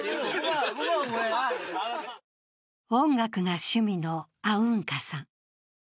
音楽が趣味のアウンカさん。